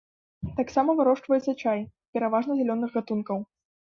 Таксама вырошчваецца чай, пераважна зялёных гатункаў.